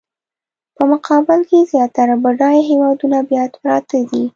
په مقابل کې زیاتره بډایه هېوادونه بیا پراته دي.